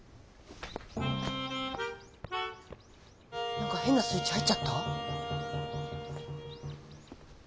なんか変なスイッチ入っちゃった？